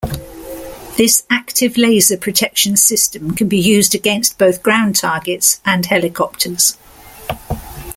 This active laser protection system can be used against both ground targets and helicopters.